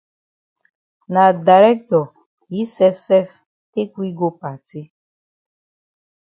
Na dirctor yi sef sef take we go party.